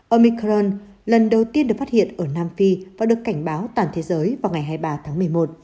omicron lần đầu tiên được phát hiện ở nam phi và được cảnh báo toàn thế giới vào ngày hai mươi ba tháng một mươi một